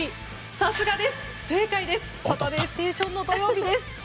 「サタデーステーション」の土曜日です。